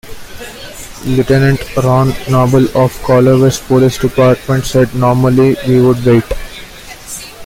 Lt. Ron Noble of the Corvallis Police Department said, "Normally, we would wait.